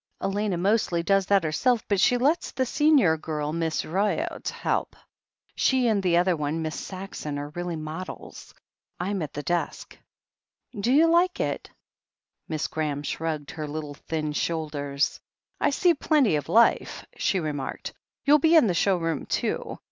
"Elena mostly does that herself, but she lets the senior girl. Miss Ryott, help. She and the other one. Miss Saxon, are really models. I'm at the desk." "< tr THE HEEL OF ACHILLES 113 "Do you like it?" Miss Graham shrugged her little thin shoulders. "I see plenty of life," she remarked. "You'll be in the show room too.